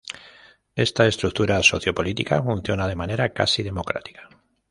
Esta estructura socio-política funciona de manera casi democrática.